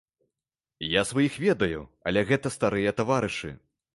Я сваіх ведаю, але гэта старыя таварышы.